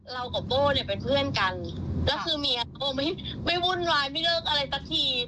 กับโบ้เนี่ยเป็นเพื่อนกันแล้วคือเมียเขาไม่วุ่นวายไม่เลิกอะไรสักที